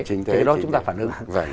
cái đó chúng ta phản ứng